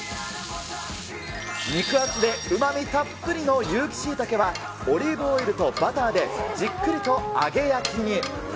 肉厚でうまみたっぷりの有機しいたけは、オリーブオイルとバターでじっくりと揚げ焼きに。